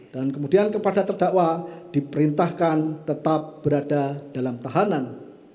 dan kemudian kepada terdakwa diperintahkan tetap berada dalam tahanan